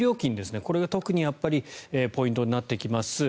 これが特にポイントになってきます。